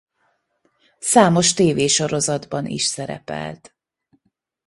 Számos tévésorozatban is szerepelt.